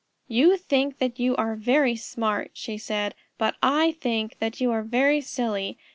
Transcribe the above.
"You think that you are very smart," she said, "but I think that you are very silly.